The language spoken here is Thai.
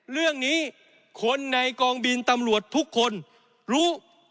เรื่องนี้คนในกองบินตำรวจทุกคนรู้